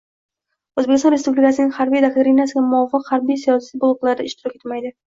O‘zbekiston Respublikasining Harbiy doktrinasiga muvofiq harbiy-siyosiy bloklarda ishtirok etmaydi.